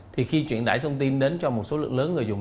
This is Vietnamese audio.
thì khi truyền đải thông tin đến cho một số lượng lớn người dùng